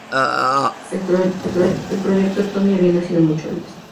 Sorrow" el proyecto Tommy había nacido mucho antes.